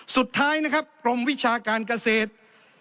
สุดท้ายนะครับกรมวิชาการเกษตร